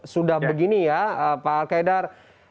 sudah begini ya pak alkaidar